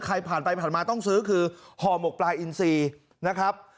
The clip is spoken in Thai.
ใครผ่านไปผ่านมาต้องซื้อคือห่อหมกปลาอินซีนะครับ